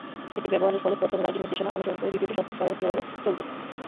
এটি ব্যবহারের ফলে প্রথম গাড়িটির নির্দেশনা অনুসরণ করে দ্বিতীয়টি স্বয়ংক্রিয়ভাবে চলবে।